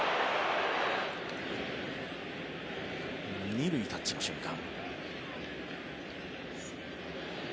２塁タッチの瞬間。